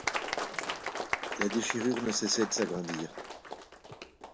La déchirure ne cessait de s'aggrandir.